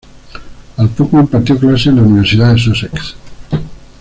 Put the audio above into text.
Al poco impartió clases en la Universidad de Sussex.